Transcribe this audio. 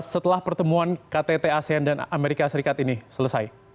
setelah pertemuan ktt asean dan amerika serikat ini selesai